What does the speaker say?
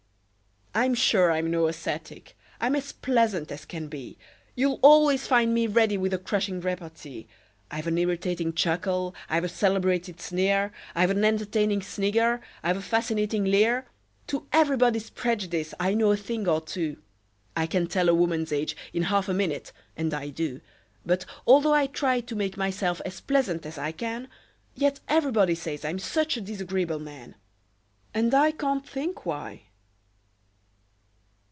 I'm sure I'm no ascetic: I'm as pleasant as can be; You'll always find me ready with a crushing repartee; I've an irritating chuckle; I've a celebrated sneer; I've an entertaining snigger; I've a fascinating leer; To everybody's prejudice I know a thing or two; I can tell a woman's age in half a minute and I do But although I try to make myself as pleasant as I can, Yet everybody says I'm such a disagreeable man! And I can't think why!